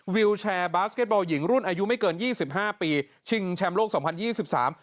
วิวแชร์บาสเก็ตบอลหญิงรุ่นอายุไม่เกินยี่สิบห้าปีชิงแชมป์โลกสองพันยี่สิบสาม